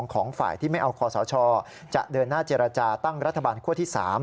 ของฝ่ายที่ไม่เอาคอสชจะเดินหน้าเจรจาตั้งรัฐบาลคั่วที่๓